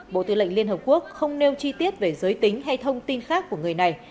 bộ tư lệnh liên hợp quốc không nêu chi tiết về giới tính hay thông tin khác của người này